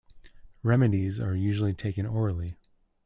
Remedies are usually taken orally.